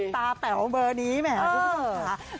ตาแป๋วเบอร์นี้ไหมฮะทุกคนค่ะ